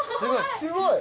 すごい。